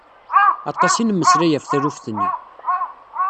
Aṭas i nmeslay ɣef taluft-nni.